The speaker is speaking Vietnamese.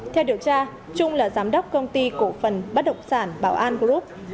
theo điều tra trung là giám đốc công ty cổ phần bất động sản bảo an group